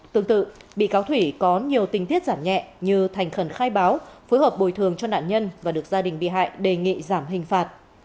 tương tự bị cáo thủy có nhiều tình tiết giảm nhẹ như thành khẩn khai báo phối hợp bồi thường cho nạn nhân và được gia đình bị hại đề nghị giảm hình phạt